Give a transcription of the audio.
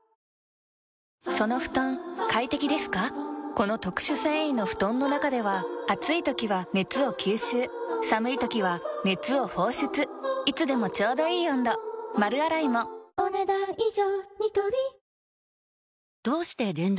この特殊繊維の布団の中では暑い時は熱を吸収寒い時は熱を放出いつでもちょうどいい温度丸洗いもお、ねだん以上。